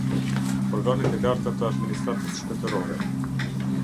Organet e larta të administratës shtetërore.